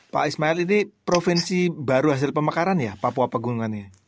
pak ismail ini provinsi baru hasil pemekaran ya papua pegunungannya